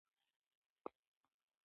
کتان په سکاټلند او ایرلنډ کې تولیدېدل.